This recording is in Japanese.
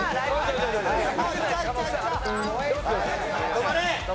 止まれ！